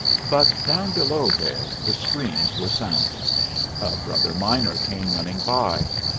But down below there the screams were sounding. A brother miner came running by.